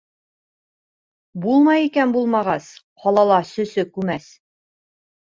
Булмай икән булмағас, ҡалала сөсө күмәс.